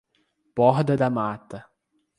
Borda da Mata